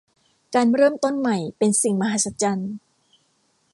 การเริ่มต้นใหม่เป็นสิ่งมหัศจรรย์